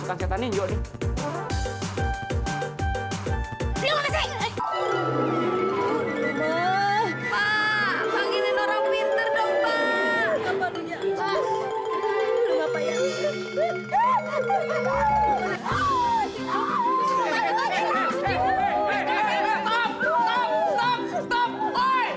bikin nyakitin burung cepi